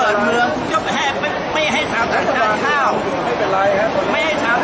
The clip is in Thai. อาหรับเชี่ยวจามันไม่มีควรหยุด